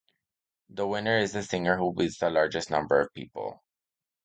The winner is the singer who beats the largest number of people.